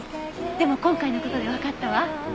でも今回の事でわかったわ。